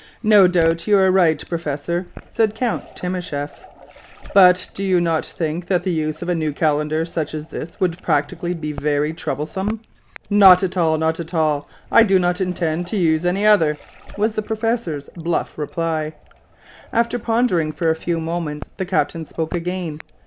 "No doubt you are right, professor," said Count Timascheff; "but do you not think that the use of a new calendar such as this would practically be very troublesome?" "Not at all! not at all! I do not intend to use any other," was the professor's bluff reply. After pondering for a few moments, the captain spoke again.